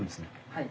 はい。